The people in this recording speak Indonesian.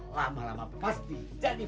gimana sih itu